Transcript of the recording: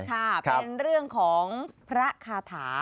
ค่ะเป็นเรื่องของพระคาถา